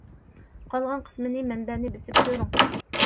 قالغان قىسمىنى مەنبەنى بېسىپ كۆرۈڭ.